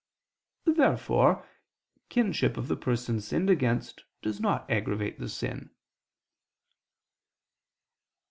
Therefore kinship of the person sinned against does not aggravate the sin.